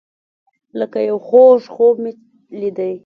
لکه یو خوږ خوب چې مې لیدی.